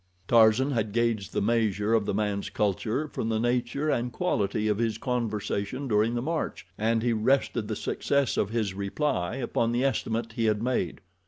Tarzan had gauged the measure of the man's culture from the nature and quality of his conversation during the march, and he rested the success of his reply upon the estimate he had made.